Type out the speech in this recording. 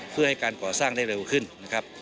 เพื่อให้การก่อสร้างได้เร็วขึ้นนะครับ